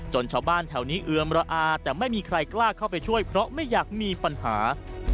ชาวบ้านแถวนี้เอือมระอาแต่ไม่มีใครกล้าเข้าไปช่วยเพราะไม่อยากมีปัญหา